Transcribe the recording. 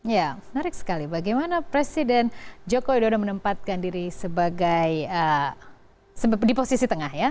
ya menarik sekali bagaimana presiden joko widodo menempatkan diri sebagai di posisi tengah ya